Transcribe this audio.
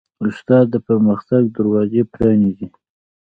استاد د پرمختګ دروازې پرانیزي.